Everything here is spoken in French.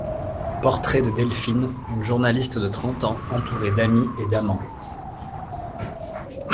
Portrait de Delphine, une journaliste de trente ans entourée d'amis et d'amants.